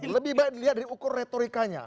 lebih baik dilihat dari ukur retorikanya